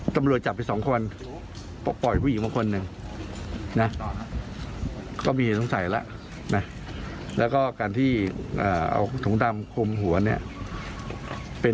ขอบใจแล้วกัน